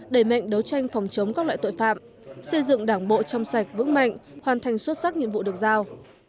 đẩy mạnh đấu tranh phòng chống các loại tội phạm xây dựng đảng bộ trong sạch vững mạnh hoàn thành xuất sắc nhiệm vụ được giao